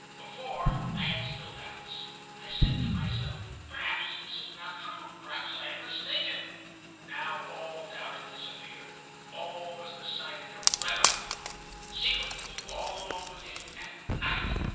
Before, I had still doubts. I said to myself: 'Perhaps this is not true. Perhaps I am mistaken.' Now all doubt had disappeared. All was decided irrevocably. Secretly, all alone with him, at night!